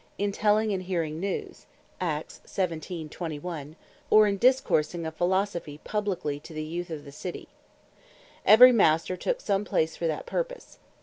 "in telling and hearing news," or in discoursing of Philosophy publiquely to the youth of the City. Every Master took some place for that purpose.